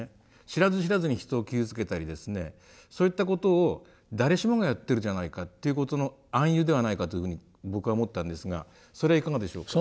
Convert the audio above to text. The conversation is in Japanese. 知らず知らずに人を傷つけたりですねそういったことを誰しもがやってるじゃないかっていうことの暗喩ではないかというふうに僕は思ったんですがそれはいかがでしょうか？